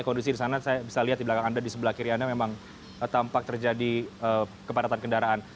kondisi di sana saya bisa lihat di belakang anda di sebelah kiri anda memang tampak terjadi kepadatan kendaraan